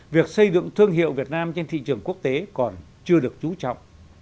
việc xây dựng thương hiệu việt nam trên thị trường quốc tế còn chưa được trú trọng